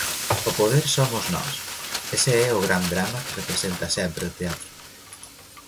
O poder somos nós: ese é o gran drama que representa sempre o teatro.